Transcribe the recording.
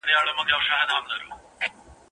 لا به تر څو دا سرې مرمۍ اورېږي